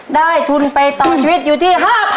ทุนไปต่อชีวิตอยู่ที่๕๐๐๐